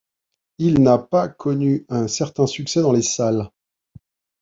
Il n’a pas connu un certain succès dans les salles.